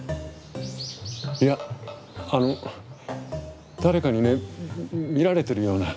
いやあの誰かにね見られてるような。